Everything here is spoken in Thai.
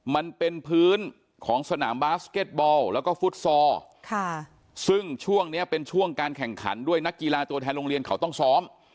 มันเป็นพื้นของสนามบาสเก็ตบอลแล้วก็ฟุตซอลซึ่งช่วงนี้เป็นช่วงการแข่งขันด้วยนักกีฬาตัวแทนโรงเรียนเขาต้องซ้อม